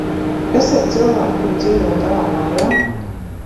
Kas ir cilvēki, kuri dzīvo tavā mājā?